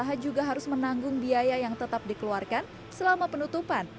pengusaha juga harus menanggung biaya yang tetap dikeluarkan selama penutupan